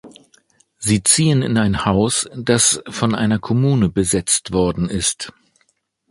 Sie ziehen in ein Haus, das von einer Kommune besetzt worden ist.